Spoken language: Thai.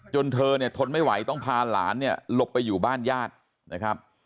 จนเธอทนไม่ไหวต้องพาหลานหลอกไปอยู่บ้านญาติ